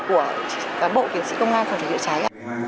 của bộ kiến sĩ công an phòng cháy chữa cháy